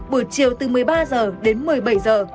buổi chiều từ một mươi ba giờ đến một mươi bảy giờ